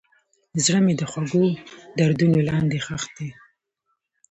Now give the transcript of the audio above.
زړه مې د خوږو دردونو لاندې ښخ دی.